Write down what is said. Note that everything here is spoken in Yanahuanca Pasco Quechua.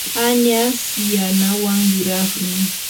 añas yanawan yuraqmi.